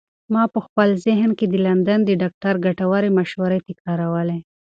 ما په خپل ذهن کې د لندن د ډاکتر ګټورې مشورې تکرارولې.